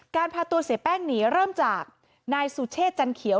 พาตัวเสียแป้งหนีเริ่มจากนายสุเชษจันเขียว